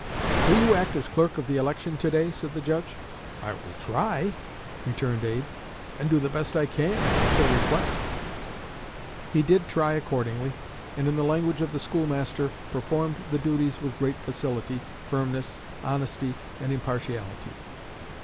'Will you act as clerk of the election to day?' said the judge. 'I will try,' returned Abe, 'and do the best I can, if you so request.'" He did try accordingly, and, in the language of the schoolmaster, "performed the duties with great facility, firmness, honesty, and impartiality.